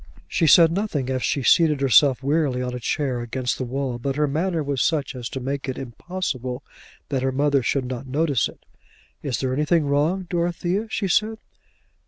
She said nothing as she seated herself wearily on a chair against the wall; but her manner was such as to make it impossible that her mother should not notice it. "Is there anything wrong, Dorothea?" she said.